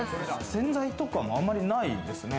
洗剤とかも、あんまりないですね。